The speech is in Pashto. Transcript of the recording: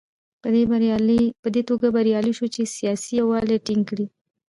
په دې توګه بریالی شو چې سیاسي یووالی ټینګ کړي.